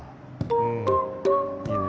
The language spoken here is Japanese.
うんいいね。